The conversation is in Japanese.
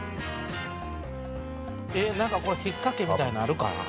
何かこれ引っ掛けみたいなんあるかな？